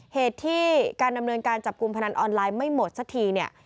เหตุที่การดำเนินการจับกลุ่มพนันออนไลน์ไม่หมดสักทีเนี่ย